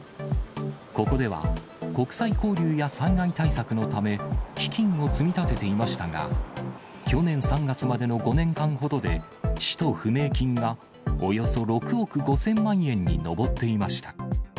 ここでは、国際交流や災害対策のため、基金を積み立てていましたが、去年３月までの５年間ほどで、使途不明金がおよそ６億５０００万円に上っていました。